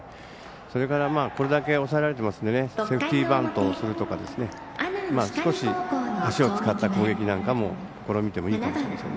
それから、これだけ抑えられているのでセーフティーバントをするとか少し足を使った攻撃なんかも試みてもいいかもしれません。